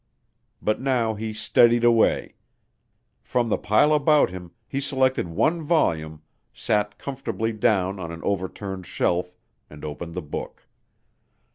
But now he steadied away. From the pile about him, he selected one volume, sat comfortably down on an overturned shelf, and opened the book.